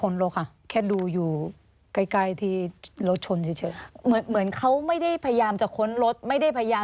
ละอะไรเขาคุยกับคุณน้อยน่ะ